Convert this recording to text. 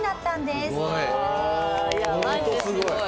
すごい。いやマジですごい。